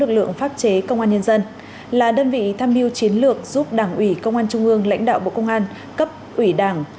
công an tp hcm là đơn vị tham mưu chiến lược giúp đảng ủy công an trung ương lãnh đạo bộ công an cấp ủy đảng